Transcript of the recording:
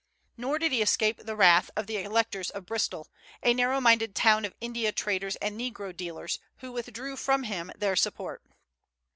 Nor did he escape the wrath of the electors of Bristol, a narrow minded town of India traders and Negro dealers, who withdrew from him their support.